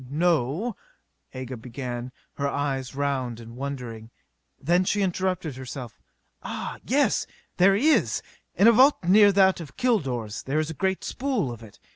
"No ..." Aga began, her eyes round and wondering. Then she interrupted herself. "Ah, yes! There is! In a vault near that of Kilor's there is a great spool of it.